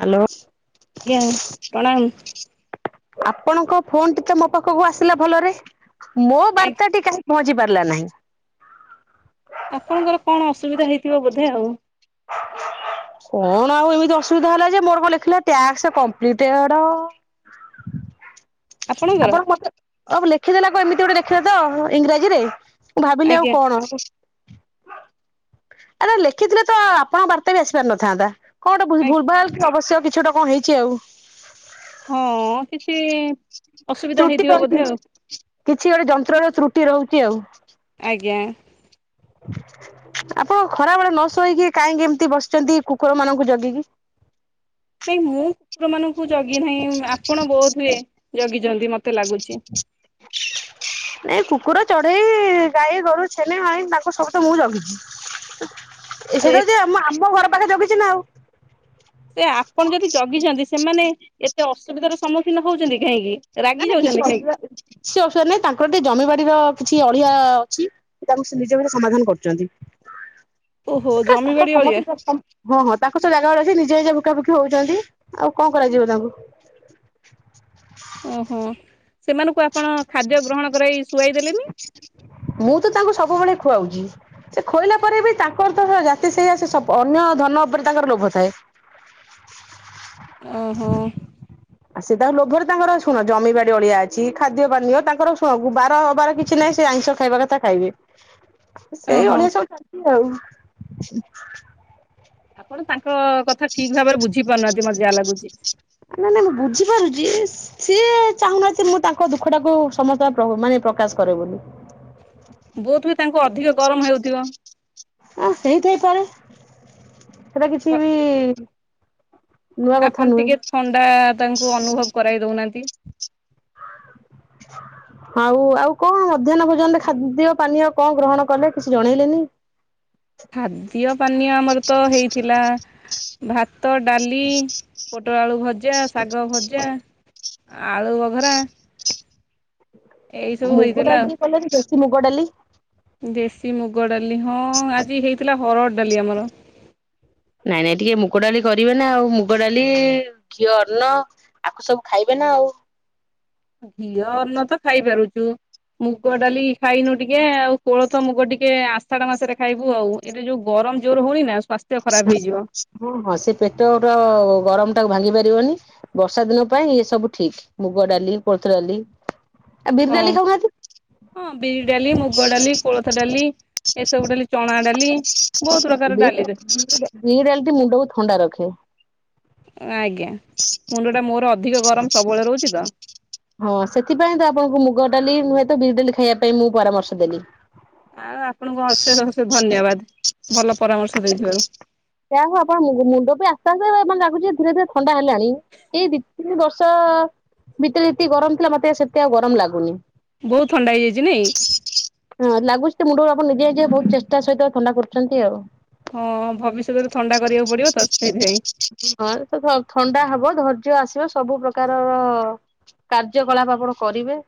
Hello. ଆଜ୍ଞା ପ୍ରଣାମ। ଆପଣଙ୍କ ଫୋନ ଟି ତ ମୋ ପାଖକୁ ଆସିଲା ଭଲରେ, ମୋ ଆଜ୍ଞା ବାର୍ତ୍ତାଟି କାହିଁକି ପହଞ୍ଚି ପାରିଲା ନାହିଁ? ଆପଣଙ୍କର କଣ ଅସୁବିଧା ହେଇଥିବ ବୋଧେ ଆଉ? କଣ ଆଉ ଏମିତି ଅସୁବିଧା ହେଲା ଯେ ମୋର କଣ ଲେଖିଲା ଟାସ୍କ କଂପ୍ଲିଟେଡ ଆପଣଙ୍କର ଆପଣ ମତେ ଆ ଲେଖିଦେଲା କ ଏମିତି ଗୋଟେ ଦେଖିଲେ ତ ଇଂରାଜୀରେ ମୁଁ ଭାବିଲି ଆଉ ଆଜ୍ଞା କଣ ଆରେ ଲେଖିଥିଲେ ତ ଆପଣଙ୍କ ବାର୍ତ୍ତା ବି ଆସି ପାରିନଥାନ୍ତା କଣ ଗୋଟେ ଆଜ୍ଞା ଭୁଲ ଭୁଲ ଭାଲ ଅବଶ୍ୟ କିଛି ଗୋଟେ କଣ ହେଇଛି ଆଉ? ହଁ କିଛି ଅସୁବିଧା ତ୍ରୁଟି ହେଇଥିବ ବୋଧେ ରହିଛି। ଆଉ କିଛି ଗୋଟେ ଯନ୍ତ୍ର ର ତ୍ରୁଟି ରହୁଛି ଆଉ ଆଜ୍ଞା ଆପଣ ଖରା ବେଳେ ନ ଶୋଇକି କାହିଁକି ଏମିତି ବସିଛନ୍ତି କୁକୁର ମାନଙ୍କୁ ଜଗିକି? କାଇଁ ମୁଁ କୁକୁର ମାନଙ୍କୁ ଜଗି ନାହିଁ ଆପଣ ବୋଧ ହୁଏ ଜଗିଛନ୍ତି ମତେ ଲାଗୁଛି [inaudible] ନାଇଁ କୁକୁର ଚଢେଇ ଗାଈ ଗୋରୁ ଛେଲି ମାଇଁ ତାଙ୍କ ସବୁ ତ ମୁଁ ଜଗିଛି ଆଉ ଏ ସେଇଟା ଯେ ଆମ ଆମ ଘର ପାଖେ ଜଗିଛି ନା ଆଉ ସେ ଆପଣ ଯଦି ଜଗିଛନ୍ତି ସେମାନେ ଏତେ ଅସୁବିଧାର ସମ୍ମୁଖୀନ ହଉଛନ୍ତି କାହିଁକି? ରାଗି ନାଇ ମ କିଛି ଯାଉଛନ୍ତି କାହିଁକି ଅସୁବିଧା କି - କିଛି ଅସୁବିଧା ନାହିଁ ତାଙ୍କର ଟିକେ ଜମିିବାଡିର କିଛି ଅଳିଆ ଅଛି ତାକୁ ସେ ନିଜ ଭିତରେ ସମାଧାନ କରୁଛନ୍ତି। [inaudible] [unintelligible] ଜମି ବାଡି ଅଳିଆ ହଁ ହଁ ତାଙ୍କ ସେ ଜାଗା ରଖି। ନିଜେ ନିଜେ ଭୁକା ଭୁକି ହଉଛନ୍ତି ଆଉ କଣ କରାଯିବ ତାଙ୍କୁ। ଓହୋ ସେମାନଙ୍କୁ ଆପଣ ଖାଦ୍ୟ ଗ୍ରହଣ କରାଇ ଶୁଆଇ ଦେଲେନି। ମୁଁ ତ ତାଙ୍କୁ ସବୁବେଳେ ଖୁଆଉଛି। ସେ ଖୁଆଇଲା ପରେ ବି ତା ଙ୍କର୍ ତ ସ - ଆ ଜାତି ସେଇଆ ସେ ଅନ୍ୟ ଧନ ଉପରେ ତାଙ୍କର ଲୋଭ ଥାଏ। [inaudible] ଓହୋ ଆ ସେ ତାଙ୍କ ଲୋଭରେ ତାଙ୍କର ଶୁଣ ଜମିିବାଡି ଅଳିଆ ଅ ଛି ଖାଦ୍ୟ ପାନୀୟ ତାଙ୍କର ସବୁ, ବାର ଅବାର କିଛି ନାହିଁ ସେ ଆଇଁଷ ଖାଇବା କଥା ଖାଇବେ। ସେଇ ଓହୋ ଅଳିଆ ସବୁ ଚାଲିଛି ଆଉ। ଆପଣ ତାଙ୍କ କଥା ଠିକ ଭାବରେ ବୁଝି ପାରୁନାହାନ୍ତି ମତେ ଯାହା ଲାଗୁଛି। ନା ନା ନା ବୁଝିପାରୁଛି। ସି ସିଏ ଚାହୁଁନାହାନ୍ତି ମୁଁ ତାଙ୍କ ଦୁଃଖ ଟାକୁ ସମସ୍ତେ ଆଗ ମାନେ ପ୍ରକାଶ କରେ ବୋଲି। ବୋଧ ହୁଏ ତାଙ୍କୁ ଅଧିକ ଗରମ ହେଉଥିବ। ଆ ହେଇଥାଇପାରେ ସେଟା କିଛି ବି ନୂଆ କଥା ଆପଣ ନୁହେଁ। ଟିକେ ଥଣ୍ଡା ତାଙ୍କୁ ଅନୁଭବ କରାଇ ଦଉନାହାନ୍ତି। [inaudible] ହଉ ଆଉ କଣ ମଧ୍ୟାନ ଭୋଜନରେ ଖାଦ୍ୟ ପାନୀୟ କଣ ଗ୍ରହଣ କଲେ କିଛି ଜଣେଇଲେନି।? ଖାଦ୍ୟ ପାନୀୟ ଆମର ତ ହେଇଥିଲା। ଭାତ ଡାଲି ପୋଟଳ ଆଳୁ ଭଜା ଶାଗ ଭଜା। ଆଳୁ ବଘରା। ଏଇ ସବୁ ମୁଗ ହେଇଥିଲା ଡାଲି ଟିକେ କଲେ ନି ଦେଶୀ ମୁଗ ଡାଲି। ଦେଶୀ ମୁଗ ଡାଲି, ହଁ ଆଜି ହେଇଥିଲା ହରଡ଼ ଡାଲି ଆମର। ନାଇଁ ନାଇଁ ଟିକେ ମୁଗ ଡାଲି କରିବେ ନା ଆଉ। ମୁଗ ଡାଲି ଘିଅ ଅନ୍ନ। ଆକୁ ସବୁ ଖାଇବେ ନା ଆଉ। ଘିଅ ଅନ୍ନ ତ ଖାଇପାରୁଛୁ। ମୁଗ ଡାଲି ଖାଇନୁ ଟିକେ ଆଉ। କୋଳଥ ମୁଗ ଟିକେ ଆଷାଢ ମାସରେ ଖାଇବୁ ଆଉ। ଏଟା ଯୋଉ ଗରମ ଜୋର୍ ହଉନି ନା ସ୍ୱାସ୍ଥ୍ ହଁ ହଁ ସେ ପେତଳ ଗରମ ଟାକୁ ଭାଙ୍ଗି ପାରିବନି। ବର୍ଷା ଦିନ ପାଇଁ ଏ ସବୁ ଠିକ ମୁଗ ଡାଲି କୋଳଥ ଡାଲି। ଆଉ ବିରି ହଁ ଡାଲି ଖାଉନାହାନ୍ତି। ହଁ ବିରି ଡାଲି ମୁଗ ଡାଲି କୋଳଥ ଡାଲି ଏସବୁ ଡାଲି। ଚଣା ଡାଲି ବହୁତ ପ୍ରକାର ଡାଲିରେ। ବିରି ଡାଲିଟି ମୁଣ୍ଡକୁ ଥଣ୍ଡା ରଖେ। ଆଜ୍ଞା। [inaudible] ମୁଣ୍ଡ ଟା ମୋର ଅଧିକ ଗରମ ସବୁବେଳେ ରହୁଛି ତ? ହଁ ସେଥିପାଇଁ ତ, ଆପଣଙ୍କୁ ମୁଗ ଡାଲି ନୁହେଁ ତ ବିରି ଡାଲି ଖାଇବା ପାଇଁ ମୁଁ ପରାମର୍ଶ ଦେଲି। ଆଉ ଆପଣଙ୍କୁ ଅଶେଷ ଅଶେଷ ଧନ୍ୟବାଦ, ଭଲ ପରାମର୍ଶ ଦେଇଥିବାରୁ। ଯାହଉ ଆପଣ ମୁଣ୍ଡ ବି ଆସ୍ତେ ଆସ୍ତେ ଲାଗୁଛି ଧୀରେ ଧୀରେ ଥଣ୍ଡା ହେଲାଣି। ଏଇ ଦି ତିନି ବର୍ଷ ଭିତରେ ଯେତିକି ଗରମ ଥିଲା। ମତେ ସେତେ ଆଉ ଗରମ ଲାଗୁନି। ବହୁତ ଥଣ୍ଡା ହେଇଯାଇଛି ନାଇଁ? ହଁ ଲାଗୁଛି ତ, ମୁଣ୍ଡକୁ ଆପଣ ନିଜେ ନିଜେ ବହୁତ ଚେଷ୍ଟା ସହିତ ଥଣ୍ଡା କରୁଛନ୍ତି ଆଉ। ହଁ ଭବିଷ୍ୟତରେ ଥଣ୍ଡା କରିବାକୁ ପଡିବ ତ ସେଥିପାଇଁ। ହଁ ସେ ଥଣ୍ଡା ହବ, ଧୈର୍ଯ୍ୟ ଆସିବ, ସବୁ ପ୍ରକାରର କାର୍ଯ୍ୟକଳାପ ଆପଣ କରିବେ।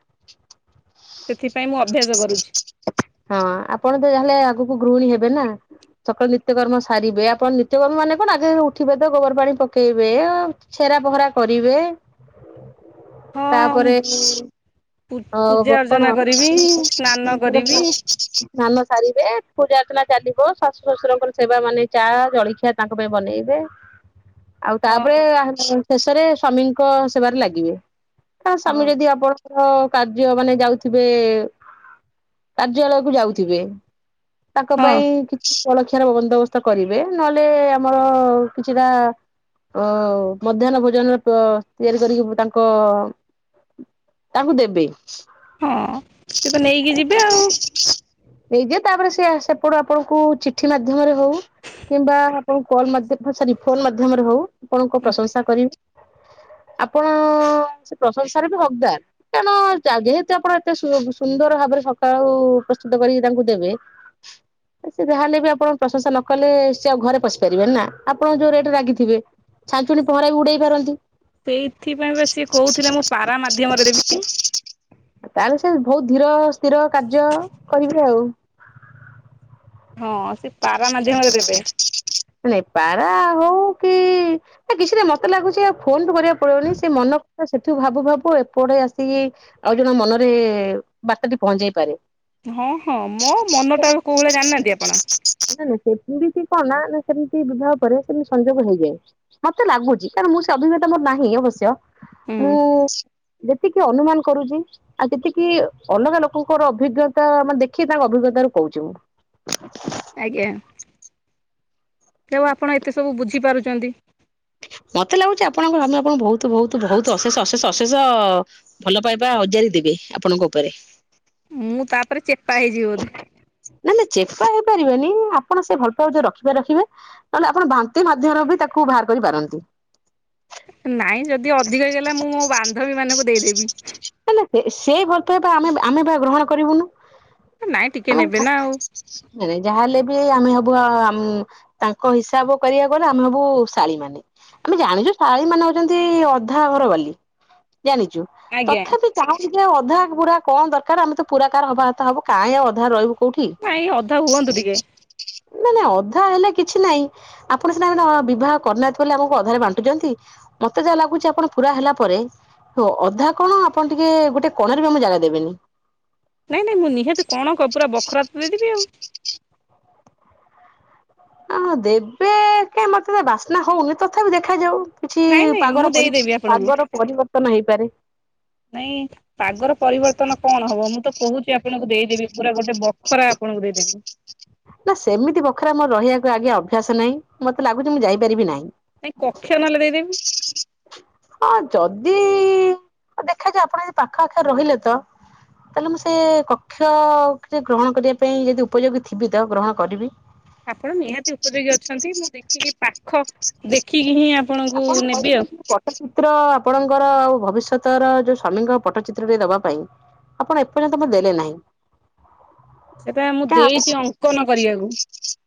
ସେଥିପାଇଁ ମୁଁ ଅଭ୍ୟାସ କରୁଛି। ହଁ ଆପଣ ତ ଯାହେଲେ ଆଗକୁ ଗୃହିଣୀ ହେବେ ନା? ସକାଳୁ ନିତ୍ୟକର୍ମ ସାରିବେ, ଆପଣ ନିତ୍ୟକର୍ମ ମାନେ କଣ, ଆଗ ଉଠିବେ ତ ଗୋବର ପାଣି ପକେଇବେ। ଛେରା ପହଁରା କରିବେ। [inaudible] ହଁ ତାପରେ ପୂଜା ହଉ କଣ ଅର୍ଚ୍ଚନା କରିବି ସ୍ନାନ [unintelligible] କରିବି କାମ ସାରିବେ, ପୂଜା ଅର୍ଚ୍ଚନା ଚାଲିବ, ଶାଶୁ ଶ୍ୱଶୁରଙ୍କର ସେବା ମାନେ ଚା ଜଳଖିଆ ତାଙ୍କ ପାଇଁ ବନେଇବେ। ଆଉ ହଁ ତାପରେ ଶେଷରେ ସ୍ଵାମୀ ଙ୍କ ସେବାରେ ଲାଗିବେ। ତା ହଁ ସ୍ୱାମୀ ଯଦି ଆପଣଙ୍କର କାର୍ଯ୍ୟ ମାନେ ଯାଉଥିବେ, କାର୍ଯ୍ୟାଳୟକୁ ଯାଉଥିବେ ତାଙ୍କ ହଁ ପାଇଁ କିଛି ଜଳଖିଆର ବନ୍ଦୋବସ୍ତ କରିବେ, ନହେଲେ ଆମର କିଛିଟା ଓ ମଧ୍ୟାହ୍ନ ଭୋଜନର ତିଆରି କରିକି ତାଙ୍କ ତାଙ୍କୁ ଦେବେ। [inaudible] ହଁ ସେ ତ ନେଇକି ଯିବେ ଆଉ। ନେଇଦିଏ, ତାପରେ ସେ ସେପଟୁ ଆପଣଙ୍କୁ ଚିଠି ମାଧ୍ୟମରେ ହଉ କିମ୍ବା କଲ୍ ମାଧ୍ୟ -ସରି ଫୋନ୍ ମାଧ୍ୟମରେ ହଉ ଆପଣଙ୍କ ପ୍ରଶଂସା କରିବେ। ଆପଣ ସେ ପ୍ରଶଂସାରେ ବି ହକ୍ଦାର, କାରଣ ଯେହେତୁ ଆପଣ ଏତେ ସୁନ୍ଦର ଭାବରେ ସକାଳୁ ପ୍ରସ୍ତୁତ କରିକି ତାଙ୍କୁ ଦେବେ [inaudible] ସେ ଯାହେଲେ ବି ଆପଣ ପ୍ରଶଂସା ନ କଲେ, ସେ ଆଉ ଘରେ ପଶିପାରିବେନି ନା, ଆପଣ ଯୋଉ ରେଟ୍ ରେ ରାଗିଥିବେ? ଛାଞ୍ଚୁଣି ପହଁରା ବି ଉଡ଼େଇ ପାରନ୍ତି। ସେଇଥିପାଇଁ ବା ସିଏ କହୁଥିଲେ ମୁଁ ପାରା ମାଧ୍ୟମରେ ଦେବି। ତାହେଲେ ସେ ବହୁତ ଧୀର ସ୍ଥିର କାର୍ଯ୍ୟ କରିବେ ଆଉ। ହଁ ସେ ପାରା ମାଧ୍ୟମରେ ଦେବେ। ନାଇ ପାରା ହଉ କି, କିଛି ନା ମତେ ଲାଗୁଚି ଆଉ ଫୋନ୍ ତ କରିବାକୁ ପଡ଼ିବନି ସେ ମନ ସେଠୁ ଭାବୁ ଭାବୁ, ଏପଟେ ଆସିକି ଆଉ ଜଣ ମନରେ ବାଟ ଟି ପହଞ୍ଚିଯାଇ ପାରେ। ହଁ -ହଁ ମୋ ମନ ଟା କୋଉ ଭଳିଆ ଜାଣିନାହାନ୍ତି ଆପଣ? ନ ନାଇ ସେଠି ବିଛି କ ନା [unintelligible] ସେମିତି ବିବାହ ପରେ ସେମିତି ସଂଯୋଗ ହୋଇଯାଏ, ମତେ ଲାଗୁଚି କାରଣ ମୁଁ ସେ ଅଭିଜ୍ଞତା ମୋର ନାହିଁ ଅବଶ୍ୟ। ହୁଁ ମୁଁ ଯେତିକି ଅନୁମାନ କରୁଚି ଆଉ ସେତିକି ଅଲଗା ଲୋକଙ୍କର ଅଭିଜ୍ଞତା ମାନେ ଦେଖି, ତାଙ୍କ ଅଭିଜ୍ଞତା ରୁ କହୁଚି ମୁଁ। ଆଜ୍ଞା, କେବେ ଆପଣ ଏତେ ସବୁ ବୁଝିପାରୁଚନ୍ତି। ମତେ ଲାଗୁଚି ଆପଣଙ୍କ ସ୍ୱାମୀ ଆପଣଙ୍କୁ ବହୁତ ବହୁତ ବହୁତ ଅଶେଷ ଅଶେଷ ଅଶେଷ ଭଲ ପାଇବା ଅଜାରି ଦେବେ, ଆପଣଙ୍କ ଉପରେ। ମୁଁ ତାପରେ ଚେପା ହେଇଯିବି ବୋଧେ? ନାଇଁ ନାଇଁ ଚେପା ହେଇପାରିବେନି ଆପଣ ସେ ଭଲ ପାଇବା ଯ ରଖିବେ ରଖିବେ ନହେଲେ ଆପଣ ବାନ୍ତି ମାଧ୍ୟମରେ ବି ତାକୁ ବାହାର କରିପାରନ୍ତି। ନାଇଁ ଯଦି ଅଧିକ ହେଇଗଲା ମୁଁ ମୋ ବାନ୍ଧବୀ ମାନଙ୍କୁ ଦେଇଦେବି। ତାହେଲେ ସେ ଭଲପାଇବା ଆମେ -ଆମେ ବା ଗ୍ରହଣ କରିବୁନୁ। ନାଇଁ ଟିକେ ନେବେ ନା ଆଉ। ନାଇଁ ନାଇଁ ଯାହାହେଲେ ବି ଆମେ ହବୁ ଆ-ଆମ୍ ତାଙ୍କ ହିସାବ କରିବାକୁ ଗଲେ ଆମେ ହବୁ ଶାଳୀ ମାନେ। ଆମେ ଜାଣିଚୁ ଶାଳୀ ମାନେ ହଉଚନ୍ତି ଅଧା ଘର ବାଲି ଜାଣିଚୁ ଆଜ୍ଞା ତଥାପି କାଇଁ କି ଅଧା ପୁରା କଣ ଦରକାର ଆମେ ତ ପୁରା କାର ହବା କଥା ହବୁ କାଁଇ ଆଉ ଅଧାରେ ରହିବୁ। କୋଉଠି ନାଇଁ ଅଧା ହୁଅନ୍ତୁ ଟିକେ? ନା ନା ଅଧା ହେଲେ କିଛି ନାହିଁ ଆପଣ ସିନା ଏବେ ବିବାହ କରିନାହାନ୍ତି ଆମକୁ ଅଧାରେ ବାଣ୍ଟୁଛନ୍ତି ମତେ ଯାହା ଲାଗୁଛି ଆପଣ ପୁରା ହେଲା ପରେ ତୋ ଅଧା କଣ ଆପଣ ଟିକେ ଗୋଟେ କୋଣରେ ବି ଆମକୁ ଜାଗା ଦେବେନି। ନାଇଁ ନାଇଁ ମୁଁ ନିହାତି କଣ କ ପୁରା ବଖରା ତ ଦେଇଦେବି ଆଉ। ହଁ ଦେବେ କାଇଁ ମତେ ତ ବାସ୍ନା ହଉନି ତଥାପି ଦେଖାଯାଉ। କିଛି ନାଇଁ ନାଇଁ ମୁଁ ପାଗର ପରି- ଦେଇଦେବି ଆପଣଙ୍କୁ ପାଗର ପରିବର୍ତ୍ତନ ହେଇପାରେ। ନାଇଁଥ୍। ପାଗର ପରିବର୍ତ୍ତନ କଣ ହବ ମୁଁ ତ କହୁଛି ଆପଣଙ୍କୁ ଦେଇଦେବି ପୁରା ଗୋଟେ ବଖରା ଆପଣଙ୍କୁ ଦେଇଦେବି। ନା ସେମିତି ବଖରା ମୋର ରହିବାକୁ ଆଜ୍ଞା ଅଭ୍ୟାସ ନାହିଁ ମତେ ଲାଗୁଛି ମୁଁ ଯାଇପାରିବି ନାହିଁ। ନାଇଁ କକ୍ଷ୍ୟ ନହେଲେ ଦେଇଦେବି? ହଁ ଯଦି ଦେଖାଯାଉ ଆପଣ ଯଦି ପାଖ ଆଖରେ ରହିଲେ ତ ତାହେଲେ ମୁଁ ସେ କକ୍ଷରେ ଗ୍ରହଣ କରିବା ପାଇଁ ଯଦି ଉପଯୋଗୀ ଥିବି ଯିବି ତ ଗ୍ରହଣ କରିବି। ଆପଣ ନିହାତି ଉପଯୋଗୀ ଅଛନ୍ତି ମୁଁ ଦେଖିକି ପାଖ ଦେଖିକି ହିଁ ଆପଣଙ୍କୁ ଆପଣ ନେବି ଆଉ। କହିଛନ୍ତି ପଟ୍ଟଚିତ୍ର ଆପଣଙ୍କର ଆଉ ଭବିଷ୍ୟତର ଯୋଉ ସ୍ୱାମୀଙ୍କ ପଟ୍ଟଚିତ୍ରରେ ଦବା ପାଇଁ ଆପଣ ଏପର୍ଯ୍ୟନ୍ତ ମତେ ଦେଲେ ନାହିଁ? ସେଟା ମୁଁ ଦେଇଛି ଅଙ୍କନ କରିବାକୁ। ଁ [inaudible]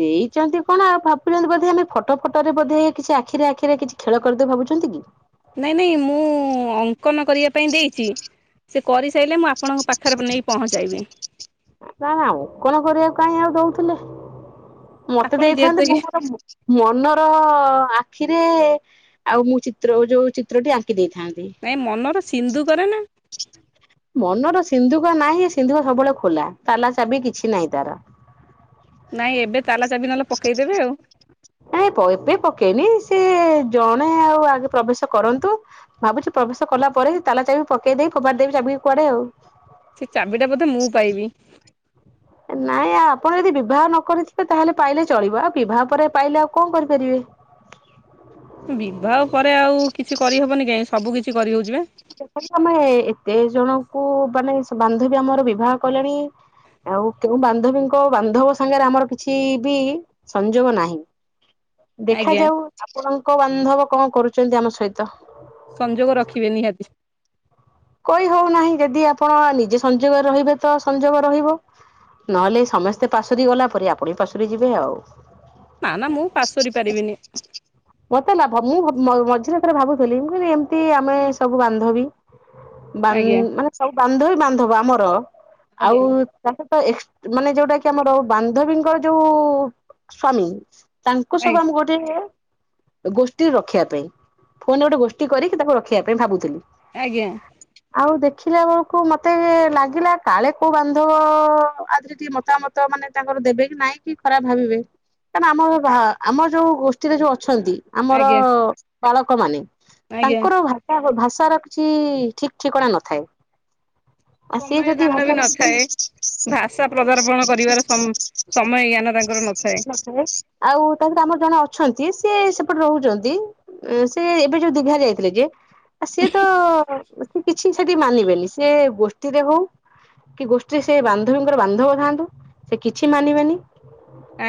ଦେଇଛନ୍ତି କଣ ଆଉ ଭାବୁଛନ୍ତି ବୋଧେ ଆମେ ଫଟୋ ଫଟୋରେ ବୋଧେ କିଛି ଆଖିରେ ଆଖିରେ କିଛି ଖେଳ କରିଦେବୁ ଭାବୁଛନ୍ତି କି? ନାଇଁ ନାଇଁ ମୁଁ ଅଙ୍କନ କରିବା ପାଇଁ ଦେଇଛି। ସେ କରିସାଇଲେ ମୁଁ ଆପଣଙ୍କ ପାଖରେ ନେଇ ପହଞ୍ଚାଇବି। ନା ନା ଅଙ୍କନ କରିବାକୁ କାଇହିଁ ଆଉ ଦଉଥିଲେ ମତେ ଆପଣ ଯେହେତୁ ଦେଇଥାନ୍ତେ କି ମୁଁ ମୋର ମନର ଆଖିରେ ଆଉ ମୁଁ ଚିତ୍ର ଯୋଉ ଚିତ୍ରଟି ଆଙ୍କି ଦେଇଥାନ୍ତି। ନାଇଁ ମନର ସିନ୍ଧୁ କରେ ନା ମନର ସିନ୍ଧୁକ ନାହିଁ ସିନ୍ଧୁକ ସବୁବେଳେ ଖୋଲା ତାଲା ଚାବି କିଛି ନାହିଁ ତାର। ନାଇଁ ଏବେ ତାଲା ଚାବି ନହେଲେ ପକେଇଦେବେ ଆଉ। ନାଇଁ ପ ଏବେ ପକେଇନି ସେ ଜଣେ ଆଉ ଆଗେ ପ୍ରବେଶ କରନ୍ତୁ। ଭାବୁଛି ପ୍ରବେଶ କଲା ପରେ ତାଲା ଚାବି ପକେଇ ଦେଇକି ଫୋାପାଡ଼ି ଦେବି ତାଲା ଚାବି କୁଆଡେ ଆଉ। ସେ ଚାବିଟା ବୋଧେ ମୁଁ ପାଇବି। ନାଇଁ ଆ ଆପଣ ଯଦି ବିବାହ ନ କରିଥିବେ ତାହେଲେ ପାଇଲେ ଚଳିବ ଆଉ ବିବାହ ପରେ ପାଇଲେ ଆଉ କଣ କରିପାରିବେ? ବିବାହ ପରେ ଆଉ କିଛି କରିହବନି କାଇଁ ସବୁ କିଛି କରିହଉଛିିବା। ଦେଖନ୍ତୁ ଆମେ ଏତେ ଜଣଙ୍କୁ ମାନେ ବାନ୍ଧବୀ ଆମର ବିବାହ କଲେଣି? ଆଉ କେଉଁ ବାନ୍ଧବୀଙ୍କ ବାନ୍ଧବ ସାଙ୍ଗରେ ଆମର କିଛି ବି ସଂଯୋଗ ନାହିଁ। ଆଜ୍ଞା। ଦେଖାଯାଉ ଆପଣଙ୍କ ବାନ୍ଧବ କଣ କରୁଛନ୍ତି ଆମ ସହିତ। ସଂଯୋଗ ରଖିବେ ନିହାତି? କହି ହଉ ନାହିଁ ଯଦି ଆପଣ ନିଜେ ସଂଯୋଗରେ ରହିବେ ତ ସଂଯୋଗ ରହିବ। ନହେଲେ ସମସ୍ତେ ପାଶୋରି ଗଲା ପରେ ଆପଣ ପାଶୋରି ଯିବେ ଆଉ। ନା ନା ମୁଁ ପାସ କରି ପାରିବିନି। ମତେ ଲାଭ ମୁଁ ମ-ମଝିରେ ଥରେ ଭାବୁଥିଲି ମୁଁ କିଲି ଏମିତି ଆମେ ସବୁ ବାନ୍ଧବୀ। ବାନ ଆଜ୍ଞା ମାନେ ସବୁ ବାନ୍ଧବି ବାନ୍ଧବ ଆମର ଆଜ୍ଞା। ଆଉ ତାକୁ ତ ଏ ମାନେ ଯୋଉଟା କି ଆମର ବାନ୍ଧବୀଙ୍କର ଯୋଉ ସ୍ଵାମୀ ତାଙ୍କୁ ସବୁ ଆମ ଗୋଟ ଗୋଷ୍ଠୀ ରଖିବା ପାଇଁ ଫୋନରେ ଗୋଟେ ଗୋଷ୍ଠୀ କରିକି ତାକୁ ରଖିବା ପାଇଁ ଭାବୁଥିଲି। ଆଜ୍ଞା। ଆଉ ଦେଖିଲା ବେଳକୁ ମତେ ଲାଗିଲା କାଳେ କୋଉ ବାନ୍ଧବ [unintelligible] ମତାମତ ତ ମାନେ ତାଙ୍କର ଦେବେ କି ନାଇଁ କି ଖରାପ ଭାବିବେ। କାଇଁନା ଆମ ଭା ଆମର ଯୋଉ ଗୋଷ୍ଠୀରେ ଯୋଉ ଅଛନ୍ତି। ଆମର ଆଜ୍ଞା ବାଳକ ମାନେ ଆଜ୍ଞା ତାଙ୍କର [unintelligible] ଭାଷାର ଛି ଠିକ୍ ଠିକଣା ନଥାଏ। ଆଉ ସିଏ ସମୟ ଯଦି ଜ୍ଞାନ ବି ଭାଷାରେ ନଥାଏ। କିଛି ଭାଷା ପଦାର୍ପଣ କରିବାର ସ-ସମୟ ଜ୍ଞାନ ତାଙ୍କର ନଥାଏ। ଆଉ ତାରେ ଆମର ଜଣେ ଅଛନ୍ତି ସିଏ ସେପଟେ ରହୁଛନ୍ତି। ସେ ଏବେ ଯୋଉ ଦିଘା ଯାଇଥିଲେ ଯେ ସିଏ ତ ହ [inaudible] କିଛି ସେଠି ମାନିବେନି ସେ ଗୋଷ୍ଠୀରେ ହଉ କି ଗୋଷ୍ଠୀରେ ସେ ବାନ୍ଧବୀଙ୍କର ବାନ୍ଧବ ଥାନ୍ତୁ ସେ କିଛି ମାନିବେନି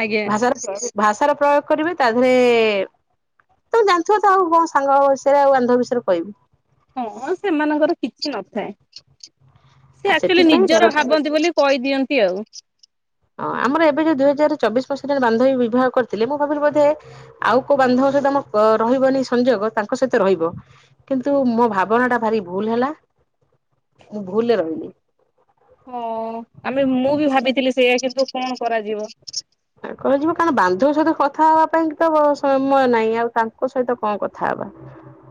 ଆଜ୍ଞା ଭାଷାର ପ୍ରୟୋଗ କରିବେ ତା ଦେହରେ ତମେ ଜାଣିଥିବ ତ ଆଉ କଣ ସାଙ୍ଗ ବିଷୟରେ ଆଉ ବାନ୍ଧବ ବିଷୟରେ କହିବି। ହଁ ସେମାନଙ୍କର କିଛି ନଥାଏ ସେ ଆଉ ଆକଚୁଆଲି ସେଥିପାଇଁ ଡର ନିଜର ଲାଗେ ଭାବନ୍ତି ବୋଲି କହିଦିଅନ୍ତି ଆଉ। ହଁ ଆମର ଏବେ ଯୋଉ ଦୁଇ ହଜାର ଚବିଶ ମସିହାରେ ବାନ୍ଧବୀ ବିବାହ କରିଥିଲେ ମୁଁ ପାଖରେ ବୋଧେ ଆଉ କୋଉ ବାନ୍ଧବ ସହିତ ଆମ ଅ ରହିବନି ସଂଯୋଗ ତାଙ୍କ ସହିତ ରହିବ। କିନ୍ତୁ ମୋ ଭାବନାଟା ଭାରି ଭୁଲ ହେଲା ମୁଁ ଭୁଲରେ ରହିଲି। ହଁ ଆମେ ମୁଁ ବି ଭାବିଥିଲି ସେଇୟା କିନ୍ତୁ କଣ କରାଯିବ। ତାଙ୍କର ଯିବ କାରଣ ବାନ୍ଧବଙ୍କ ସହିତ କଥା ହେବା ପାଇଁ ତ ସମୟ ନାହିଁ ଆଉ ତାଙ୍କ ସହିତ କଣ କଥା ହେବା। [unintelligible]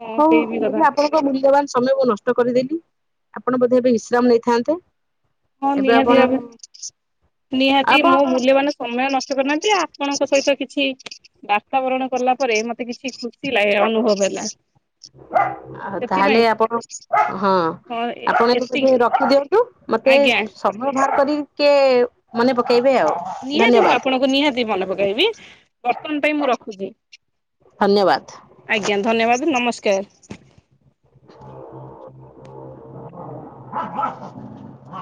ହଁ ହଉ ସେଇ ବି କଥା ଯଦି ଆପଣ [unintelligible] ମୂଲ୍ୟବାନ ସମୟ ମୁଁ ନଷ୍ଟ କରିଦେଲିି ଆପଣ ବୋଧେ ଏବେ ବିଶ୍ରାମ ନେଇଥାନ୍ତେ। ହଁ ଏବେ ନିହାତି ଆପଣ ଭାବେ ନିହାତି ଆପଣ ମୋ ମୂଲ୍ୟବାନ ସମୟ ନଷ୍ କରିନାହାନ୍ତି ଆପଣଙ୍କ ସହିତ କିଛି ବାତାବରଣ କଲା ପରେ ମତେ କିଛି ଖୁସ ସି ଲାଗିଲା ଅନୁଭବ ହେଲା। ଆଉ ତାହେଲେ ସେଥିପାଇଁ ଆପଣ ହଁ ଆପଣ ଏ ଏତିକି ଯି ରଖିଦିଅନ୍ତୁ। ମତେ ଆଜ୍ଞା ସମୟ ବାହାର କରିକି ଟିକେ ମନେ ପକେଇବେ ଆଉ। ନିହାତି ମୁଁ ଧନ୍ୟବାଦ ଆପଣଙ୍କୁ ନିହାତି ମନେ ପକେଇବି ବର୍ତ୍ତମାନ ପାଇଁ ମୁଁ ରଖୁଛି। ଧନ୍ୟବାଦ। ଆଜ୍ଞା ଧନ୍ୟବାଦ ନମସ୍କାର। [unintelligible]